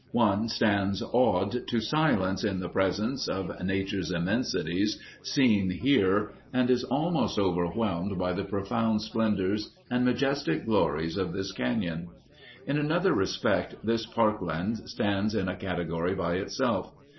One stands awed to silence in the presence of "Nature's immensities" seen here and is almost overwhelmed by the profound splendors and majestic glories of this cañon. In another respect this park land stands in a category by itself.